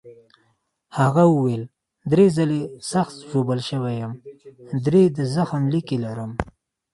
هغه وویل: درې ځلي سخت ژوبل شوی یم، درې د زخم لیکې لرم.